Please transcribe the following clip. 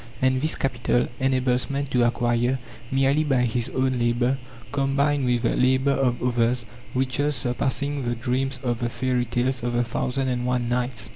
And this capital enables man to acquire, merely by his own labour combined with the labour of others, riches surpassing the dreams of the fairy tales of the Thousand and One Nights.